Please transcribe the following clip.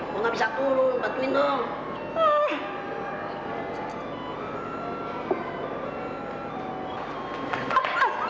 lu gak bisa turun bantuin dong